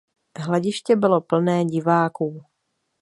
Hlediště bylo plné diváků.